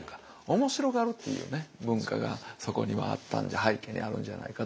面白がるっていう文化がそこにはあった背景にあるんじゃないかと思いますよね。